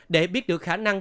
để biết được khả năng